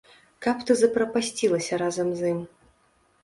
Каб ты запрапасцілася разам з ім!